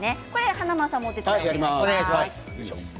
華丸さんもお手伝いをお願いします。